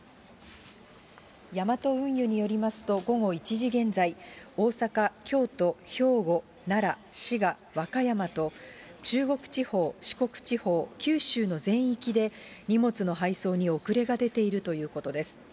ヤマト運輸によりますと午後１時現在、大阪、京都、兵庫、奈良、滋賀、和歌山と、中国地方、四国地方、九州の全域で、荷物の配送に遅れが出ているということです。